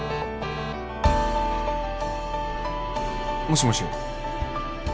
もしもし。